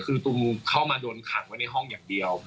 คือตูมเข้ามาโดนขังไว้ในห้องอย่างเดียว